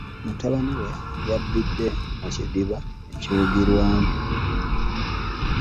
Mutabani we yabbidde mu kidiba ekiwugirwamu.